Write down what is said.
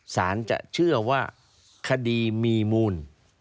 สารจะเชื่อว่าคดีมีมูล